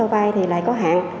nguồn vốn cho vai thì lại có hạn